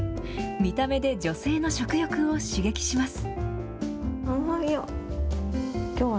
見た目で女性の食欲を刺激します。